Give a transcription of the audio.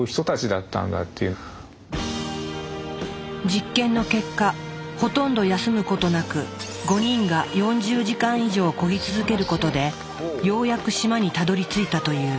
実験の結果ほとんど休むことなく５人が４０時間以上こぎ続けることでようやく島にたどりついたという。